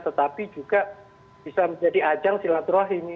tetapi juga bisa menjadi ajang silaturahmi ini